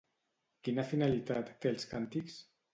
Quina finalitat té els càntics?